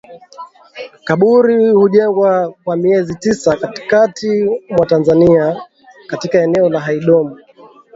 Kaburi hujengwa kwa miezi tisa Katikati mwa Tanzania katika eneo la Hydom